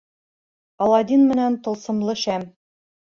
АЛАДДИН МЕНӘН ТЫЛСЫМЛЫ ШӘМ